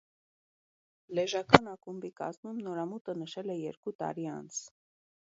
Լեժական ակումբի կազմում նորամուտը նշել է երկու տարի անց։